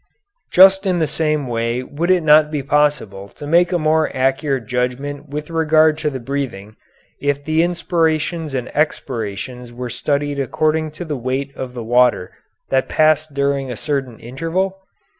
"Just in the same way would it not be possible to make a more accurate judgment with regard to the breathing, if the inspirations and expirations were studied according to the weight of the water that passed during a certain interval?